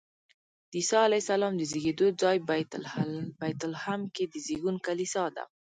د عیسی علیه السلام د زېږېدو ځای بیت لحم کې د زېږون کلیسا ده.